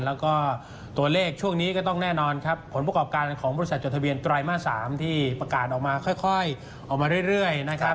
แล้วก็ตัวเลขช่วงนี้ก็ต้องแน่นอนครับผลประกอบการของบริษัทจดทะเบียนไตรมาส๓ที่ประกาศออกมาค่อยออกมาเรื่อยนะครับ